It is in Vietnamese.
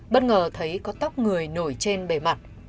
bất ngờ thấy có tóc người nổi trên bề mặt